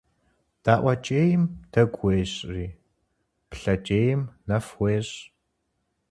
ДаӀуэкӀейм дэгу уещӀри, плъэкӀейм нэф уещӀ.